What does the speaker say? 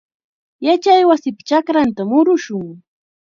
Yachaywasipa chakrantam murushun.